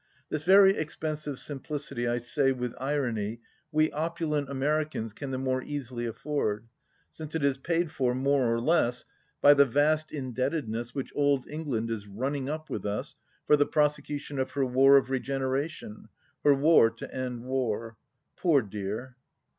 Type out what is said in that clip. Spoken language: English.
This very expensive simplicity I say, with irony, we opulent Americans can the more easily afford, since it is paid for, more or less, by the vast indebtedness which old England is running up with us for the prosecution of her War of Regeneration — ^her war to end war ! Poor dear